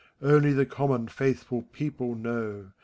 Only the common, faithful people know.